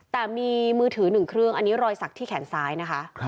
แต่มีมือถือ๑เครื่องอันนี้รอยสักที่แขนซ้ายนะคะ